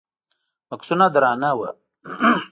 بکسونه درانه وو.